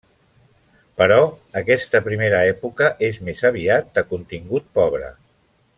Però aquesta primera època és més aviat de contingut pobre.